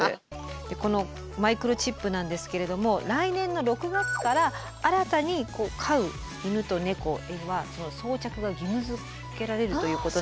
このマイクロチップなんですけれども来年の６月から新たに飼う犬と猫は装着が義務づけられるということなんですね。